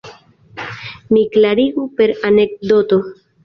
Mi klarigu per anekdoto.